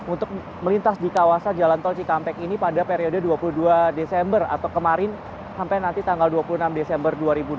untuk melintas di kawasan jalan tol cikampek ini pada periode dua puluh dua desember atau kemarin sampai nanti tanggal dua puluh enam desember dua ribu dua puluh